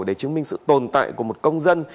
để chứng minh sự tồn tại của một công dân